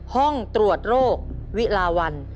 ห้องตรวจโรควิลาวัน